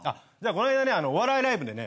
この間ねお笑いライブでね